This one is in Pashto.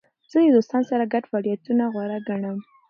زه د دوستانو سره ګډ فعالیتونه غوره ګڼم.